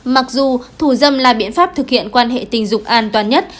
mặc dù thủ dâm là biện pháp thực hiện quan hệ tình dục an toàn nhất